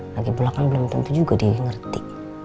lagipula kan belum tentu juga dia ngerti